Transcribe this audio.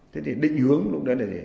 thế thì định hướng lúc đó